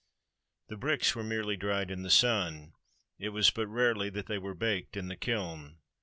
The bricks were merely dried in the sun; it was but rarely that they were baked in the kiln.